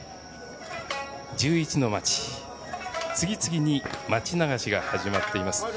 １１の町次々に町流しが始まっています。